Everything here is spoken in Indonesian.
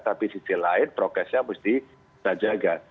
tapi di sisi lain progresnya mesti dijaga